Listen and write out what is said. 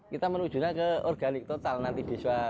kita menujulah ke organik total nanti desa